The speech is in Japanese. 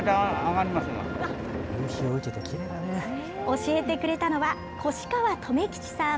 教えてくれたのは、越川留吉さん。